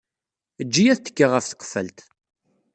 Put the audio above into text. Eǧǧ-iyi ad tekkiɣ ɣef tqeffalt